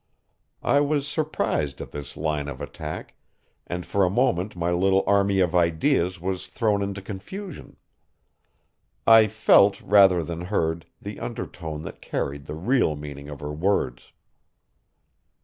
I was surprised at this line of attack, and for a moment my little army of ideas was thrown into confusion. I felt, rather than heard, the undertone that carried the real meaning of her words.